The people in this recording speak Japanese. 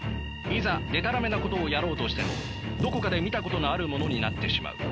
いざでたらめなことをやろうとしてもどこかで見たことのあるものになってしまう。